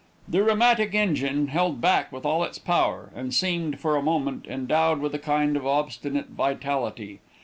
The rheumatic engine held back with all its power, and seemed, for the moment, endowed with a kind of obstinate vitality.